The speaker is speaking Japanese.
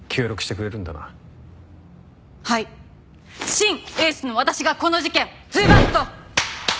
シン・エースの私がこの事件ズバッと。